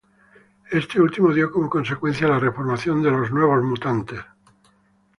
Este último, dio como consecuencia la reformación de los Nuevos Mutantes.